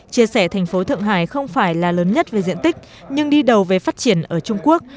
chia sẻ thành phố thượng hải không phải là lớn nhất về diện tích nhưng đi đầu về phát triển ở trung quốc